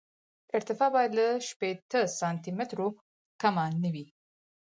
ارتفاع باید له شپېته سانتي مترو کمه نه وي